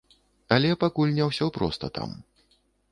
Але пакуль не ўсё проста там.